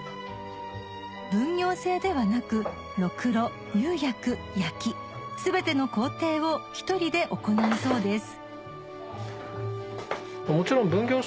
分業制ではなくろくろ釉薬焼き全ての工程を１人で行うそうです